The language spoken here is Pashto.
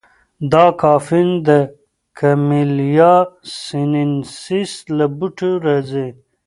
دا کافین د کمیلیا سینینسیس له بوټي راځي.